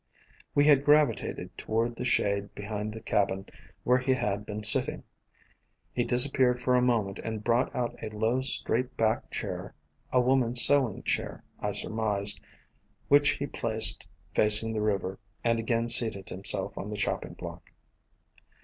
We had gravitated toward the shade behind the cabin where he had been sitting. He disappeared for a moment and brought out a low, straight backed chair — a woman's sewing chair, I surmised — which he placed facing the river, and again seated himself on the chopping block.